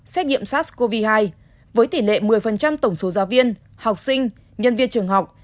xét nghiệm sars cov hai với tỷ lệ một mươi tổng số giáo viên học sinh nhân viên trường học